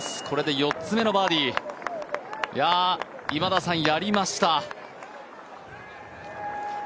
これで４つ目のバーディー、今田さん、やりました。